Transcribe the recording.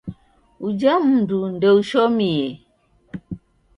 Uja mndu ndoushomie.